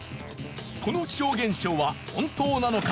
この気象現象は本当なのか？